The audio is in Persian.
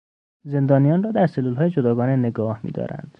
زندانیان را در سلولهای جداگانه نگاه میدارند.